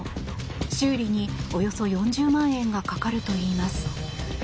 修理に、およそ４０万円がかかるといいます。